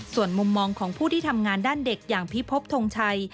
ส่วนมุมมองของผู้ที่ทำงานด้านเด็กอย่างพิพบทงชัย